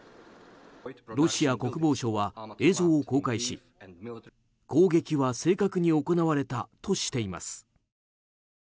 ロシア国防省は映像を公開し攻撃は正確に行われたとしています。